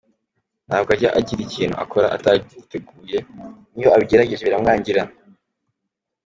Ntabwo ajya agira ikintu akora atagiteguye, niyo abigerageje biramwangira.